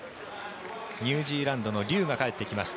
ニュージーランドのリューが帰ってきました。